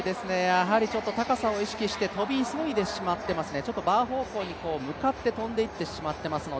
やはりちょっと高さを意識して跳び急いでしまっていますね。